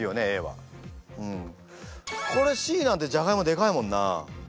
これＣなんてジャガイモでかいもんな。